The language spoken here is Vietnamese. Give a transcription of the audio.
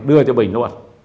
đưa cho bình luôn